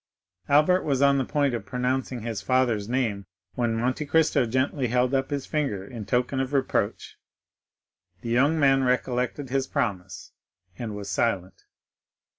Albert was on the point of pronouncing his father's name, when Monte Cristo gently held up his finger in token of reproach; the young man recollected his promise, and was silent.